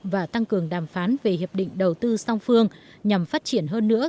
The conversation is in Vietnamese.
và tăng cường đàm phán về hiệp định đầu tư song phương nhằm phát triển hơn nữa